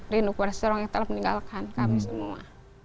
rindu kepada seseorang yang telah meninggalkan kami semua